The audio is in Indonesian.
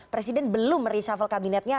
presiden belum resafel kabinetnya